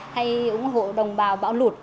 hay ủng hộ đồng bào bão lụt